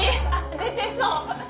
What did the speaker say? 出てそう。